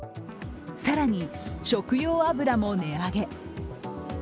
更に食用油も値上げ。